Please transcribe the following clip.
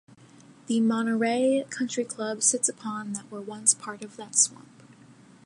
The Monterey Country Club sits upon that were once part of that swamp.